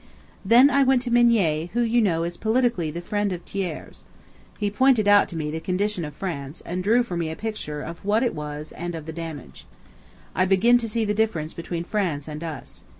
"Then I went to Mignet, who, you know, is politically the friend of Thiers. He pointed out to me the condition of France, and drew for me a picture of what it was and of the change. I begin to see the difference between France and us.